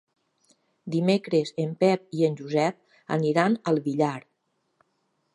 Dimecres en Pep i en Josep aniran al Villar.